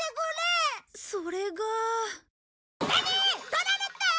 取られた！？